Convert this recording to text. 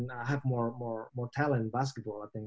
saya punya lebih banyak talenta di bola sepak bola saya pikir kan